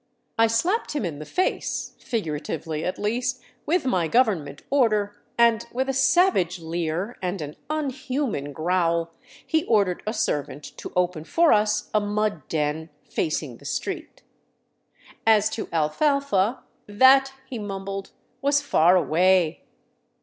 I slapped him in the face, figuratively at least, with my government order, and with a savage leer and an unhuman growl he ordered a servant to open for us a mud den facing the street. As to alfalfa, that, he mumbled, was " far away."